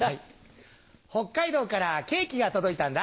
北海道からケーキが届いたんだ。